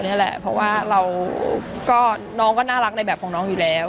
นี่แหละเพราะว่าเราก็น้องก็น่ารักในแบบของน้องอยู่แล้ว